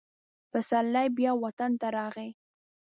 پسرلی بیا وطن ته راغی.